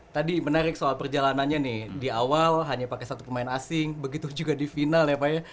tadi menarik soal perjalanannya nih di awal hanya pakai satu pemain asing begitu juga di final ya pak ya